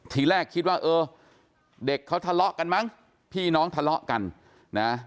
ทีแรกคิดว่าเออเด็กเขาทะเลาะกันมั้งพี่น้องทะเลาะกันนะ